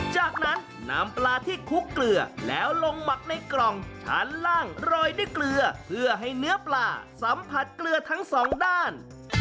จากนั้นนำปลาที่คลุกเกลือแล้วลงหมักในกล่องชั้นล่างโรยด้วยเกลือเพื่อให้เนื้อปลาสัมผัสเกลือทั้งสองด้าน